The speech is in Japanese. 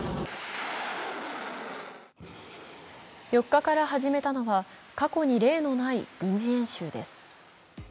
４日から始めたのは過去に例のない軍事演習です。